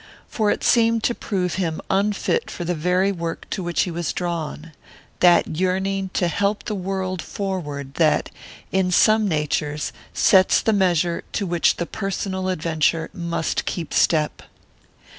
For it seemed to prove him unfit for the very work to which he was drawn: that yearning to help the world forward that, in some natures, sets the measure to which the personal adventure must keep step.